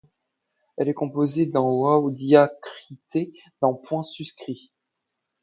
Elle est composée d’un wāw diacrité d’un point suscrit.